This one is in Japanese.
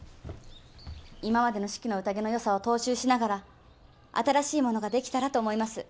今までの「四季の宴」のよさを踏襲しながら新しいものができたらと思います。